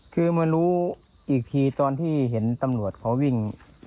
คือมารู้อีกทีตอนที่เห็นตำรวจเขาวิ่ง